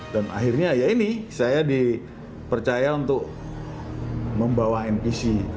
dan akhirnya ya ini saya dipercaya untuk membawakan isi